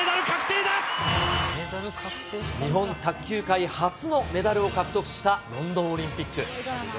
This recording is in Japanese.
日本卓球界初のメダルを獲得したロンドンオリンピック。